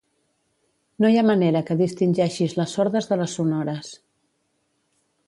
No hi ha manera que distingeixis les sordes de les sonores